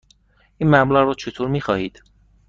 این مبلغ را چطوری می خواهید؟